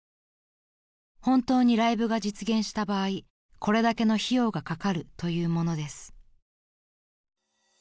［本当にライブが実現した場合これだけの費用がかかるというものです］